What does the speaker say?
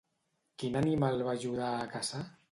Quin animal va ajudar a caçar?